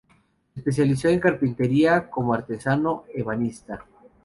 Se especializó en carpintería como artesano ebanista.